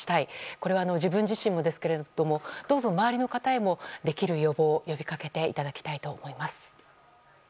これは自分自身もですがどうぞ、周りの方へもできる予防を呼びかけていただきたいと思います。